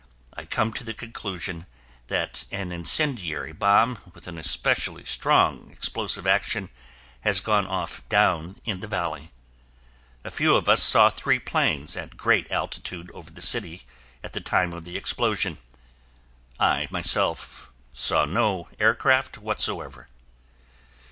I come to the conclusion that an incendiary bomb with an especially strong explosive action has gone off down in the valley. A few of us saw three planes at great altitude over the city at the time of the explosion. I, myself, saw no aircraft whatsoever.